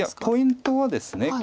ポイントはですね